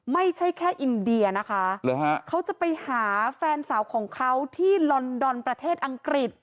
ไม่ใช่แค่อินเดียนะคะเขาจะไปหาแฟนสาวของเขาที่ลอนดอนประเทศอังกฤษ